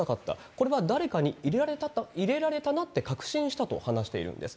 これは誰かに入れられたなって確信したと話しているんです。